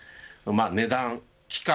値段、期間